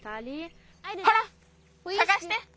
ほらさがして！